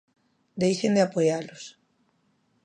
Deixen de apoialos.